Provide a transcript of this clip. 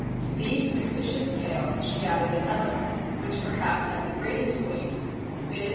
To these fictitious tales she added another, which perhaps had the greatest weight, viz.